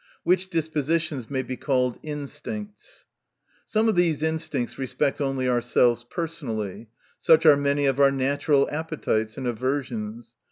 Which dispositions may be called instincts. Some of these instincts respect only ourselves personally ; such are many oi our natural appetites and aversions.